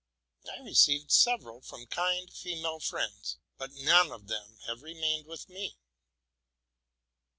I received several from kind female friends, but none of them have remained with me.